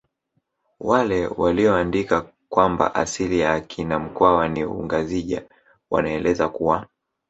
Wale waliyoandika kwamba asili ya akina mkwawa ni ungazija wanaeleza kuwa